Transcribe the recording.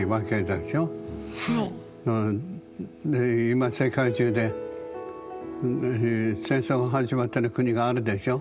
今世界中で戦争が始まってる国があるでしょ。